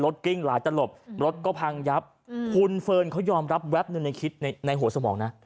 กิ้งหลายตลบรถก็พังยับคุณเฟิร์นเขายอมรับแป๊บหนึ่งในคิดในหัวสมองนะ